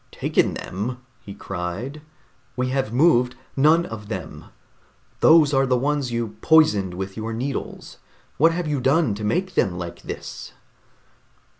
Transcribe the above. "Taken them!" he cried. "We have moved none of them! Those are the ones you poisoned with your needles. What have you done to make them like this?"